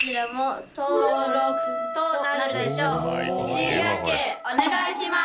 珍百景お願いします。